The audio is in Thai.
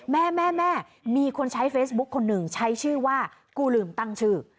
แม่แม่มีคนใช้เฟซบุ๊คคนหนึ่งใช้ชื่อว่ากูลืมตั้งชื่อ